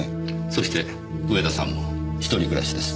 そして上田さんも一人暮らしです。